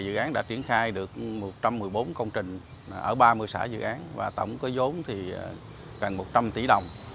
dự án đã triển khai được một trăm một mươi bốn công trình ở ba mươi xã dự án và tổng cái giống thì gần một trăm linh tỷ đồng